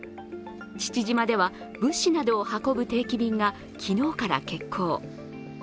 父島では、物資などを運ぶ定期便が昨日から欠航。